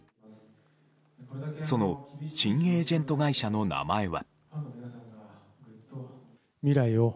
その新エージェント会社の名前は。